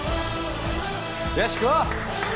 よし食おう！